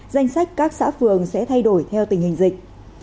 danh sách các xã phường sẽ thay đổi theo tình hình dịch